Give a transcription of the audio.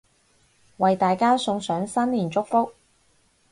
為大家送上新年祝福